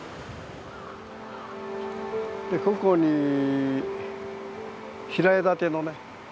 ここに平屋建てのね